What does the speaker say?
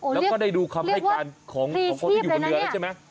แล้วก็ได้ดูคำให้การของคนที่อยู่บนเรือแล้วใช่ไหม